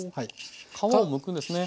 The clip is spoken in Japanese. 皮をむくんですね。